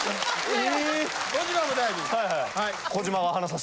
・え！